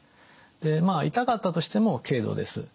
で痛かったとしても軽度です。